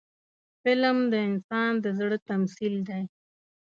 فلم د انسان د زړه تمثیل دی